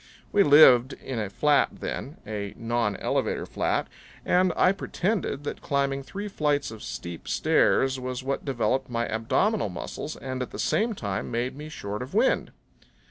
We lived in a flat then a nonelevator flat and I pretended that climbing three flights of steep stairs was what developed my abdominal muscles and at the same time made me short of wind.